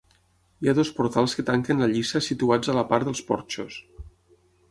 Hi ha dos portals que tanquen la lliça situats a la part dels porxos.